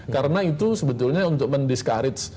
karena itu sebetulnya untuk mendiskarits